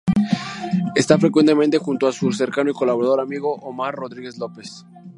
Está frecuentemente junto a su cercano y colaborador amigo Omar Rodríguez-López.